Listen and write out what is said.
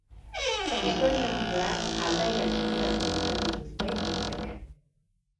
Historian zehar aldaera txiki batzuk izan dituzte hitzek.